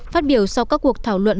phát biểu sau các cuộc thảo luận